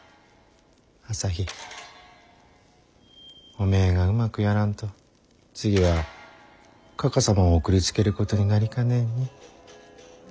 おめえがうまくやらんと次はかか様を送りつけることになりかねんに。